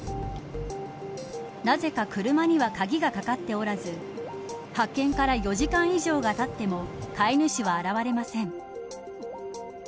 なぜか車には鍵がかかっておらず発見から４時間以上がたっても飼い主は現れません。